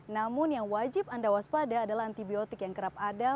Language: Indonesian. namun yang wajib anda waspada adalah antibiotik yang kerap ada